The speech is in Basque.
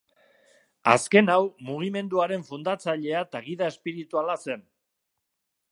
Azken hau, mugimenduaren fundatzailea eta gida espirituala zen.